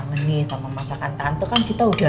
menu sama masakan tante kan kita udah